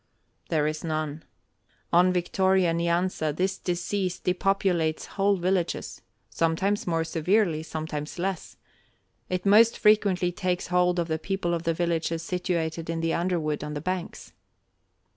"There is none. On Victoria Nyanza this disease depopulates whole villages. Sometimes more severely, sometimes less. It most frequently takes hold of the people of the villages situated in the underwood on the banks."